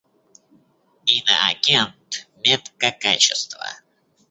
Иноагент — метка качества.